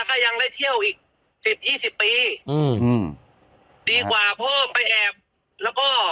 ก็ยังได้เที่ยวอีกสิบยี่สิบปีอืมดีกว่าเพิ่มไปแอบแล้วก็